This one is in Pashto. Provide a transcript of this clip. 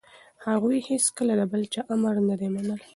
هغوی هیڅکله د بل چا امر نه دی منلی.